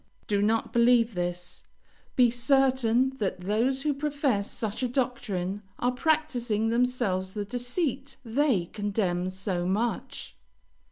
Do not believe this; be certain that those who profess such a doctrine are practising themselves the deceit they condemn so much.